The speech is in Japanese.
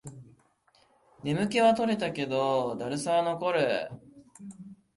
眠気は取れたけど、だるさは残る